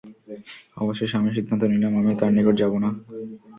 অবশেষে আমি সিদ্ধান্ত নিলাম, আমি তার নিকট যাব না।